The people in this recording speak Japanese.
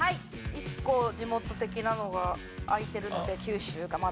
１個地元的なのが空いてるので九州がまだ。